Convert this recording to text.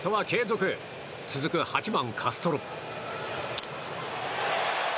続く８番、カストロ。